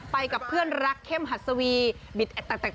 ไปกับเพื่อนรักเข้มหัสวีบิดแตก